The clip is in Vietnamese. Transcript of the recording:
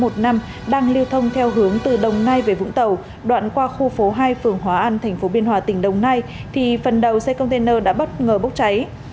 đang lưu thông theo hướng từ đồng nai về vũng tàu đoạn qua khu phố hai phường hóa an tp biên hòa tỉnh đồng nai thì phần đầu xe container đã bất ngờ bốc cháy